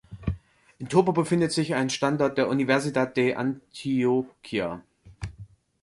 In Turbo befindet sich ein Standort der Universidad de Antioquia.